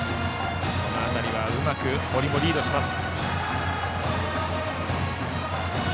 この辺りはうまく堀もリードします。